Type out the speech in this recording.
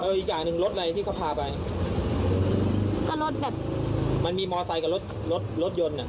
แล้วอีกอย่างหนึ่งรถอะไรที่เขาพาไปก็รถแบบมันมีรถยนต์น่ะ